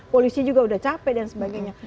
polisi juga sudah capek dan sebagainya